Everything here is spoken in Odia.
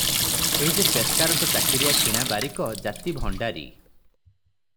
ଏ ଯେ ପେସ୍କାରଙ୍କ ଚାକିରିଆ କିଣା ବାରିକ, ଜାତି ଭଣ୍ଡାରି ।